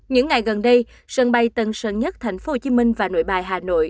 những ngày gần đây sân bay tân sơn nhất tp hcm và nội bài hà nội